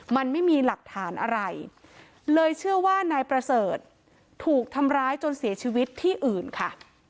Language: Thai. มันไม่มีหลักฐานอะไรเลยเชื่อว่านายประเสริฐถูกทำร้ายจนเสียชีวิตที่อื่นค่ะ